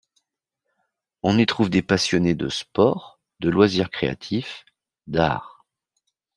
On y trouve des passionnés de sport, de loisirs créatifs, d’art.